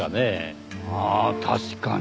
ああ確かに！